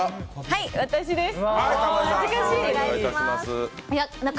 はい、私です。